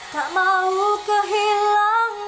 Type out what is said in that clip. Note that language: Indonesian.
tak mau kehilangan